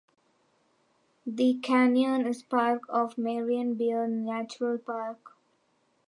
The canyon is part of Marian Bear Natural Park.